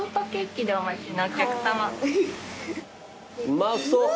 うまそう。